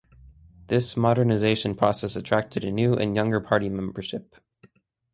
This modernisation process attracted a new, and younger party membership.